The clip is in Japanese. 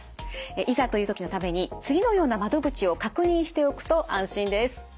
いざという時のために次のような窓口を確認しておくと安心です。